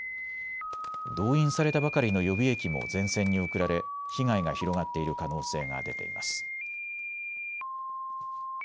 動員されたばかりの予備役も前線に送られ被害が広がっている可能性が出ています。